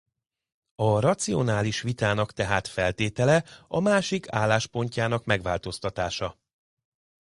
A racionális vitának tehát feltétele a másik álláspontjának megváltoztatása.